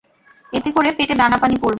এতে করে পেটে দানাপানি পড়বে।